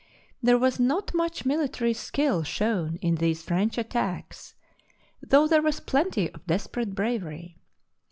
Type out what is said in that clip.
There was not much military skill shown in these French attacks, though there was plenty of des perate bravery.